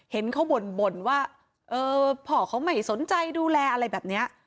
เห็นเขาบ่นว่าเออพ่อเขาไม่สนใจดูแลอะไรแบบนี้